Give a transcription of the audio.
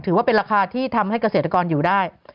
ถือว่าเป็นราคาที่ทำให้เกษตรกรอยู่ได้